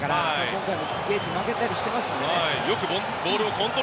今回のゲームでも負けたりしていますからね。